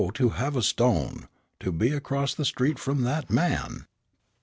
to have a stone to be across the street from that man!